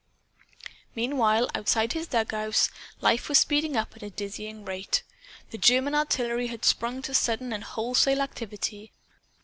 Meanwhile, outside his dugout, life was speeding up at a dizzying rate. The German artillery had sprung to sudden and wholesale activity.